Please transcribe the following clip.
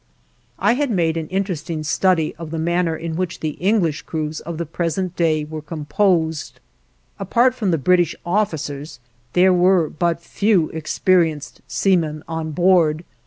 I had made an interesting study of the manner in which the English crews of the present day were composed. Apart from the British officers there were but few experienced seamen on board.